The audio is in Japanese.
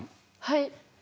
はい。